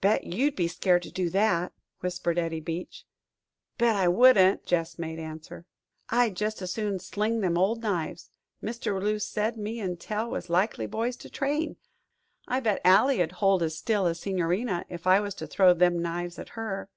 "Bet you'd be scared to do that," whispered Eddie Beach. "Bet I wouldn't," Gess made answer. "I'd jest as soon sling them old knives Mr. La Rue said me an' Tell was likely boys to train. I bet Ally'd hold as still as the Signorina 'f I was to throw them knives at her."